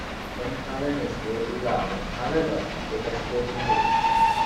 When colonies grow too large, however, they can split in two.